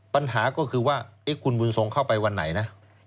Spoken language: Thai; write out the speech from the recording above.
ปัญหาก็คือว่าคุณบุญทรงเข้าไปวันไหนนะ